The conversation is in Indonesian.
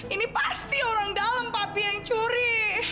ini pasti orang dalam papi yang curi